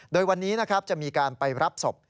โดยวันนี้จะมีการไปรับศพ